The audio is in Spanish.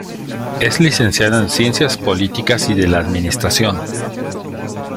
Es licenciado en Ciencias Políticas y de la Administración.